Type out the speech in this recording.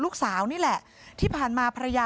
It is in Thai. พี่น้องของผู้เสียหายแล้วเสร็จแล้วมีการของผู้เสียหาย